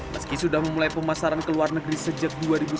meski sudah memulai pemasaran ke luar negeri sejak dua ribu sembilan belas